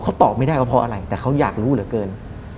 เขาตอบไม่ได้ว่าเพราะอะไรแต่เขาอยากรู้เหลือเกิน